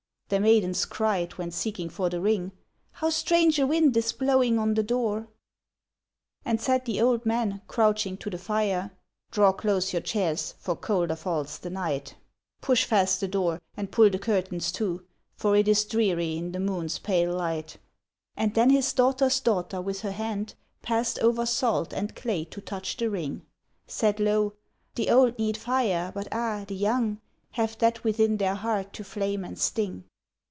The maidens cried, when seeking for the ring, ' How strange a wind is blowing on the door !' And said the old man, crouching to the fire :' Draw close your chairs, for colder falls the night ; 60 THE ONE FORGOTTEN 6i Push fast the door, and pull the curtains to, For it is dreary in the moon's pale light.' And then his daughter's daughter with her hand Passed over salt and clay to touch the ring, Said low, ' The old need fire, but ah ! the young Have that within their heart to flame and sting.'